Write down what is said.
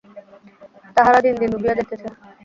তাহারা দিন দিন ডুবিয়া যাইতেছে।